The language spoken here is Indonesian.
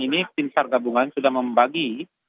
ini tim sargabungan sudah membagi